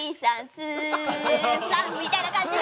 すさんみたいな感じで。